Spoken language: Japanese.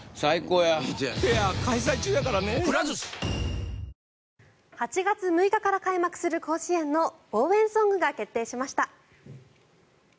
新「和紅茶」８月６日から開幕する甲子園の応援ソングが決定しました。